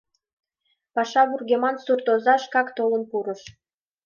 Паша вургеман суртоза шкак толын пурыш.